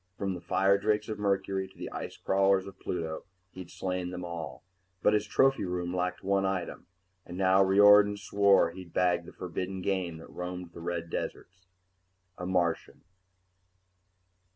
From the firedrakes of Mercury to the ice crawlers of Pluto, he'd slain them all. But his trophy room lacked one item; and now Riordan swore he'd bag the forbidden game that roamed the red deserts ... a Martian!